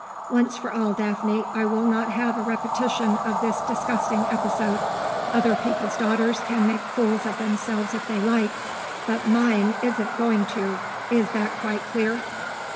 Once for all, Daphne, I will not have a repetition of this disgusting episode. Other people's daughters can make fools of themselves if they like, but mine isn't going to. Is that quite clear?"